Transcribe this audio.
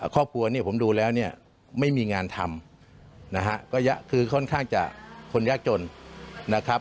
ครอบครัวเนี่ยผมดูแล้วเนี่ยไม่มีงานทำนะฮะก็คือค่อนข้างจะคนยากจนนะครับ